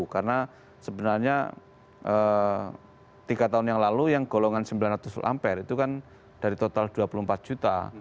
karena sebenarnya tiga tahun yang lalu yang golongan sembilan ratus volt ampere itu kan dari total dua puluh empat juta